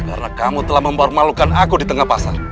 karena kamu telah mempermalukan aku di tengah pasar